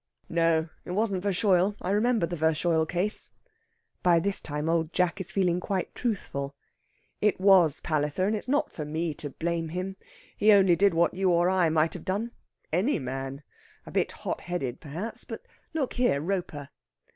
"No, it wasn't Verschoyle. I remember the Verschoyle case." By this time Old Jack is feeling quite truthful. "It was Palliser, and it's not for me to blame him. He only did what you or I might have done any man. A bit hot headed, perhaps. But look here, Roper...."